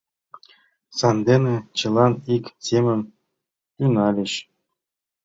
Сандене чылан ик семын тӱҥальыч.